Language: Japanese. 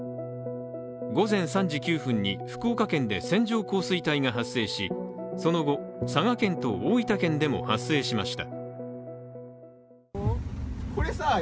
午前３時９分に福岡県で線状降水帯が発生しその後、佐賀県と大分県でも発生しました。